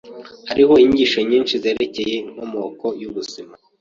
Hariho inyigisho nyinshi zerekeye inkomoko yubuzima.